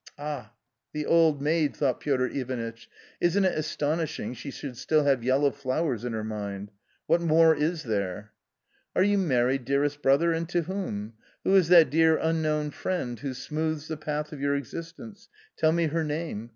" Ah, the old maid !" thought Piotr Ivanitch. " Isn't it astonishing she should still have yellow flowers in her mind? What more is there ?" "Are you married, dearest brother, and to whom ? Who is that dear unknown friend, who smoothes the path of your existence ? tell me her name.